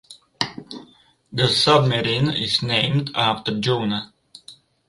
The submarine is named after Jonah.